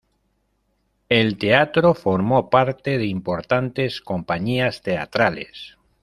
En teatro formó parte de importantes compañías teatrales.